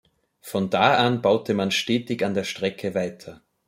Von da an baute man stetig an der Strecke weiter.